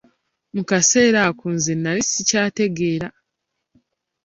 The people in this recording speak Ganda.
Mu kaseera ako, nze nali sikyategeera.